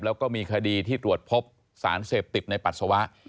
แล้วก็มีคดีที่ตรวจพบสารเสพติดในปัสสาวะ